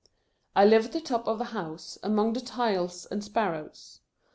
I live at the top of the house, among the tiles and sparrows.